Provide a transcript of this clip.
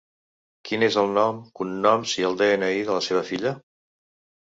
Quin és el nom, cognoms i de-ena-i de la seva filla?